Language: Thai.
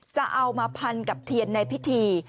จะเอามาพันกับเทียนในพิธี